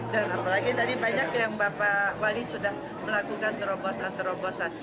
dan apalagi tadi banyak yang bapak wali sudah melakukan terobosan terobosan